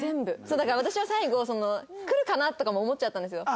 だから私は最後来るかな？とかも思っちゃったんですよ。